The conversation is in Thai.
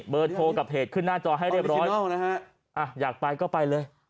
เบอร์โทรกับเพจขึ้นหน้าจอให้เรียบร้อยนะฮะอยากไปก็ไปเลย